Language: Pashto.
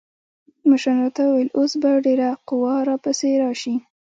مشرانو راته وويل اوس به ډېره قوا را پسې راسي.